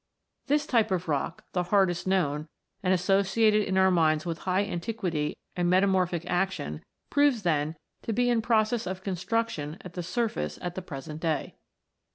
This type of rock, the hardest known, and associated in our minds with high antiquity and metamorphic action, proves, then, to be in process of construction at the surface at the present day.